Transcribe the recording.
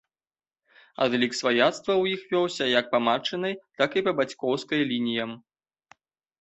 Адлік сваяцтва ў іх вёўся як па матчынай, так і па бацькоўскай лініям.